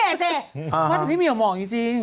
ว่าที่พี่เหมียวมองจริง